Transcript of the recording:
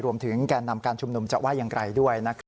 รวมถึงแก่นำการชุมนุมจะว่ายังไงด้วยนะครับ